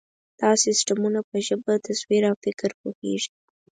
دا سیسټمونه په ژبه، تصویر، او فکر پوهېږي.